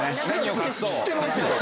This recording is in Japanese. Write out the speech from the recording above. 知ってますよ。